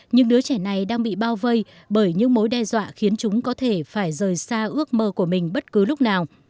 những đứa trẻ này đang bị bao vây bởi những mối đe dọa khiến chúng có thể phải rời xa ước mơ của mình bất cứ lúc nào